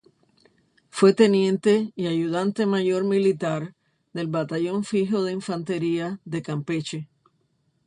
Fue teniente y ayudante mayor militar del batallón fijo de infantería de Campeche.